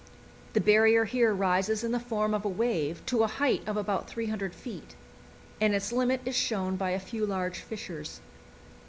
The barrier here rises in the form of a wave to a height of about 300 feet, and its limit is shown by a few large fissures.